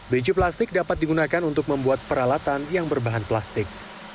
biji plastik dapat digunakan untuk membuat peralatan yang berbahan plastik